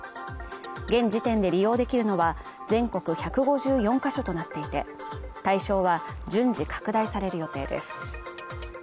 現時点で利用できるのは全国１５４か所となっていて対象は順次拡大される予定です